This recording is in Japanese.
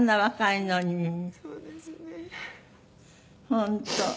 本当。